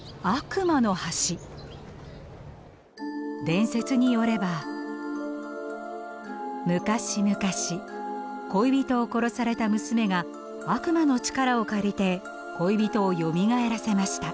伝説によれば昔々恋人を殺された娘が悪魔の力を借りて恋人をよみがえらせました。